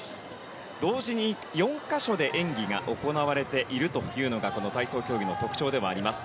同時に４か所で演技が行われているというのがこの体操競技の特徴でもあります。